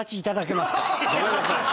ごめんなさい。